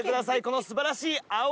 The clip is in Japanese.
この素晴らしい。